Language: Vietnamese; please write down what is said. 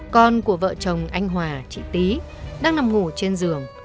con của vợ chồng anh hòa chị tý đang nằm ngủ trên giường